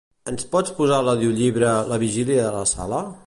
Ens pots posar l'audiollibre "La vigília a la sala"?